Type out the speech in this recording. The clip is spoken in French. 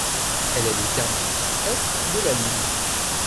Elle est le terminus est de la ligne.